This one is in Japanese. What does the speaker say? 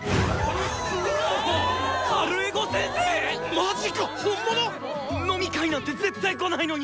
⁉マジか⁉本物⁉飲み会なんて絶対来ないのに！